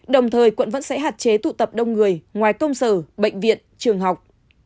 đồng thời quận vẫn sẽ hạn chế tụ tập đông người ngoài công sở bệnh viện trường học